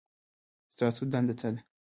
ستاسو دنده څه ده؟